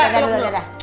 dadah dulu dadah